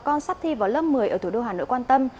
con sắp thi vào lớp một mươi ở thủ đô hà nội quan tâm